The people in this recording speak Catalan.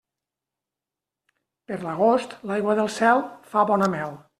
Per l'agost, l'aigua del cel fa bona mel.